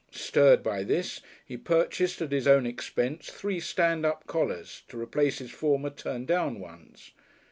Stirred by this, he purchased at his own expense three stand up collars to replace his former turn down ones.